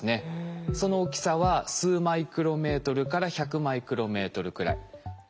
その大きさは数マイクロメートルから１００マイクロメートルくらい。